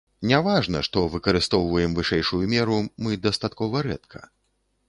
Не важна, што выкарыстоўваем вышэйшую меру мы дастаткова рэдка.